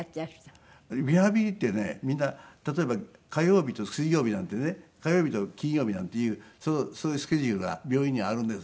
リハビリってねみんな例えば火曜日と水曜日なんてね火曜日と金曜日なんていうそういうスケジュールが病院にはあるんです。